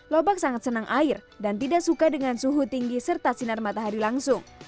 lobak sangat senang air dan tidak suka dengan suhu tinggi serta sinar matahari langsung